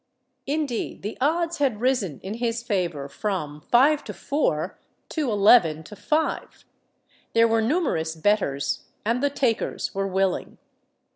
Indeed the odds had risen in his favour from five to four, to eleven to five. There were numerous betters, and the takers were willing.